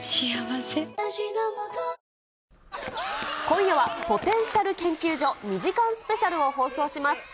今夜は、ポテンシャル研究所２時間スペシャルを放送します。